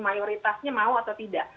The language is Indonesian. mayoritasnya mau atau tidak